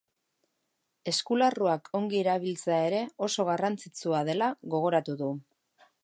Eskularruak ongi erabiltzea ere oso garrantzitsua dela gogoratu du.